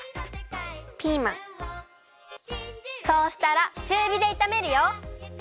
そうしたらちゅうびでいためるよ。